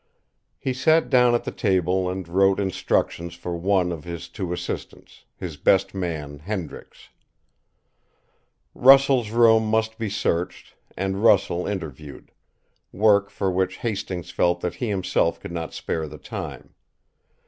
He sat down at the table and wrote instructions for one of his two assistants, his best man, Hendricks. Russell's room must be searched and Russell interviewed work for which Hastings felt that he himself could not spare the time.